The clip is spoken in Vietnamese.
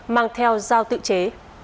mang theo dao tự chế